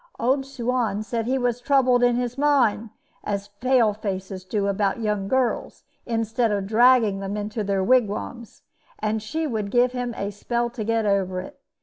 Old Suan said he was troubled in his mind, as the pale faces do about young girls, instead of dragging them to their wigwams; and she would give him a spell to get over it.